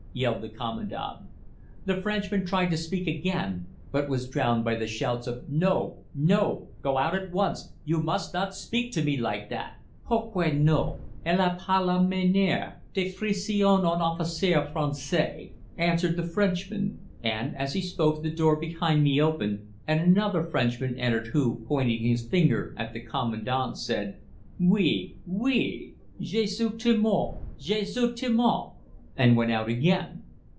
yelled the Commandant. The Frenchman tried to speak again, but was drowned by the shouts of "No, no, go out at once, you must not speak to me like that." "Pourquoi non, il n'est pas la manière d'addresser un officier Français," answered the Frenchman; and as he spoke the door behind me opened and another Frenchman entered who, pointing his finger at the Commandant, said, "Oui, oui, je suis témoin, je suis témoin," and went out again.